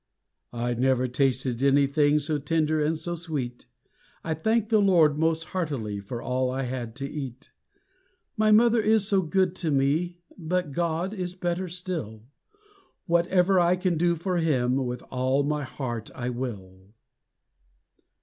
I never tasted anything So tender and so sweet; I thanked the Lord most heartily For all I had to eat. My mother is so good to me, But God is better still; Whatever I can do for him, With all my heart I will.